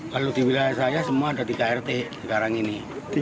kalau di wilayah saya semua ada tiga rt sekarang ini